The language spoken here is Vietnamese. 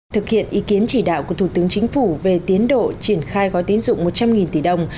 thực hiện ý kiến chỉ đạo của thủ tướng chính phủ về tiến độ triển khai gói tiến dụng một trăm linh tỷ đồng